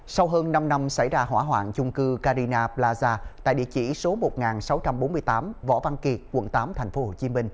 sau hơn năm năm xảy ra hỏa hoạn chung cư carina plaza tại địa chỉ số một nghìn sáu trăm bốn mươi tám võ văn kiệt quận tám tp hcm